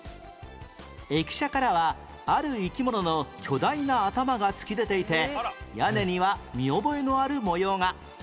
駅舎からはある生き物の巨大な頭が突き出ていて屋根には見覚えのある模様が